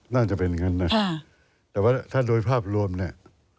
น่าจะเป็นอย่างนั้นนะแต่ว่าถ้าโดยภาพรวมเนี่ย